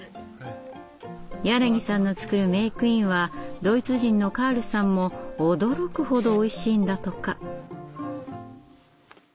柳さんの作るメークインはドイツ人のカールさんも驚くほどおいしいんだとか。